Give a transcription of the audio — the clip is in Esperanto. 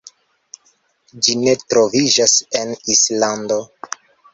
Ĝi ne troviĝas en Islando.